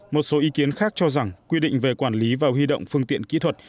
một số ý kiến khác cho rằng quy định về quản lý và huy động phương tiện kỹ thuật